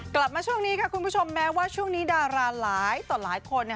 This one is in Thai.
กลับมาช่วงนี้ค่ะคุณผู้ชมแม้ว่าช่วงนี้ดาราหลายต่อหลายคน